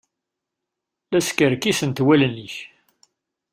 La skerkisent wallen-ik.